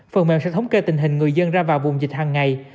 phần mềm sẽ thống kê tình hình người dân ra vào vùng dịch hàng ngày